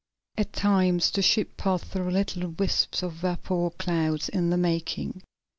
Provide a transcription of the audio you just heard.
At times the ship passed through little wisps of vapor clouds in the making.